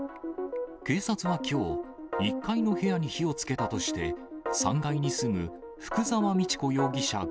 警察はきょう、１階の部屋に火をつけたとして、３階に住む福沢道子容疑者